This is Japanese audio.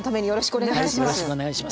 お願いします。